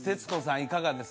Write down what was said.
いかがですか？